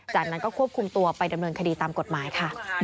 จากนั้นก็ควบคุมตัวไปดำเนินคดีตามกฎหมายค่ะ